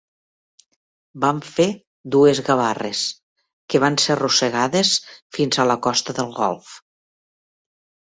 Van fer dues gavarres, que van ser arrossegades fins a la costa del Golf.